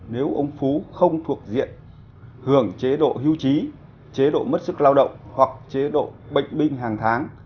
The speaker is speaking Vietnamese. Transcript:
nếu ông phú không thuộc diện hưởng chế độ hưu trí chế độ mất sức lao động hoặc chế độ bệnh binh hàng tháng